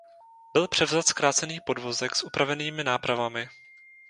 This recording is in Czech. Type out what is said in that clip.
Byl převzat zkrácený podvozek s upravenými nápravami.